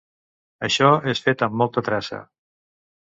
Això és fet amb molta traça.